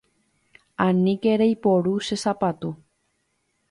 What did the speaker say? Aníke reiporu che sapatu.